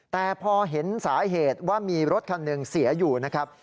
แต่พอเห็นสาเหตุว่ามีรถคันหนึ่งเสียอยู่นะครับ